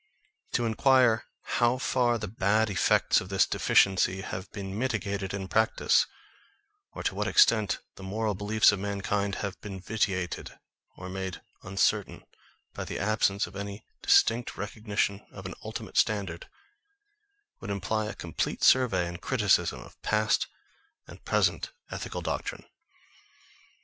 To inquire how far the bad effects of this deficiency have been mitigated in practice, or to what extent the moral beliefs of mankind have been vitiated or made uncertain by the absence of any distinct recognition of an ultimate standard, would imply a complete survey and criticism, of past and present ethical doctrine.